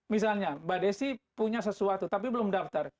misalnya mbak desi punya sesuatu tapi belum daftar